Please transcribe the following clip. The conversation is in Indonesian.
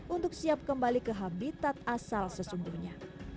untuk siap kembali ke habitat asal sesungguhnya